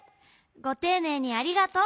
ごていねいにありがとう。